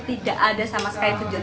tidak ada sama sekali kejutan